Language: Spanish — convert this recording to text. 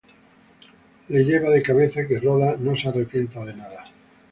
Le lleva de cabeza que Rhoda no se arrepiente de nada.